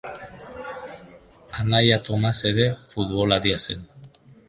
Anaia Tomas ere futbolaria zen.